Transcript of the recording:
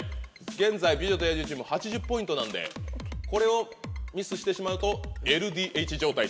現在美女と野獣チーム８０ポイントなんでこれをミスしてしまうと。